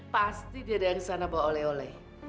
pasti dia dari sana bawa oleh oleh